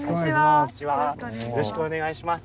よろしくお願いします。